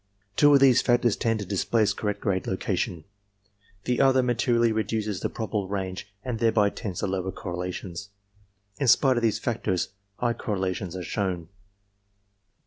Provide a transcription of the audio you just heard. Two of these factors tend to displace correct grade location. The other materially reduces the probable range and thereby tends to lower correlations. In spite of these factors, high correlations are shown.